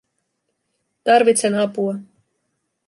Tarvitsen apua.